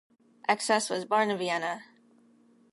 Excess was born in Vienna.